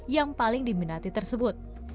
yang paling diminati tersebut